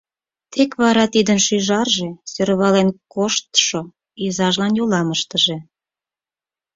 Тек вара тидын шӱжарже сӧрвален коштшо, изажлан йолам ыштыже.